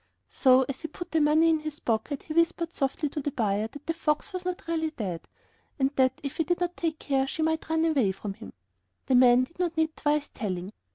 So as he put the money in his pocket he whispered softly to the buyer that the fox was not really dead, and that if he did not take care she might run away from him. The man did not need twice telling.